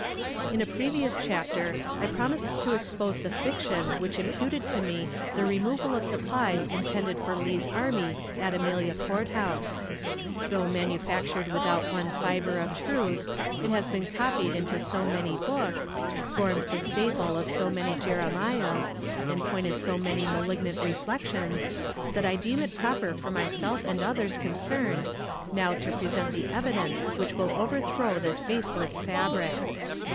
In a previous chapter I promised to expose the fiction which imputed to me the removal of supplies intended for Lee's army at Amelia Court House, Though manufactured without one fiber of truth, it has been copied into so many books, formed the staple of so many jeremiads, and pointed so many malignant reflections, that I deem it proper for myself and others concerned now to present the evidence which will overthrow this baseless fabric.